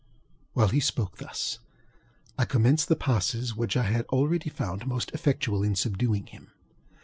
ŌĆØ While he spoke thus, I commenced the passes which I had already found most effectual in subduing him.